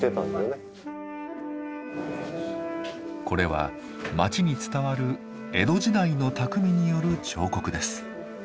これは町に伝わる江戸時代の匠による彫刻です。